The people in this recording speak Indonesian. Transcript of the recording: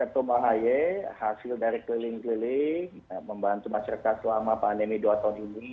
ya ketum ahy hasil dari keliling keliling membantu masyarakat selama pandemi dua tahun ini